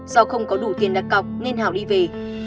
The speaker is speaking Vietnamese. do không có đủ tiền đặt cọc nên hảo đi về